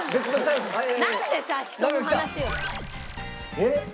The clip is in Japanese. えっ？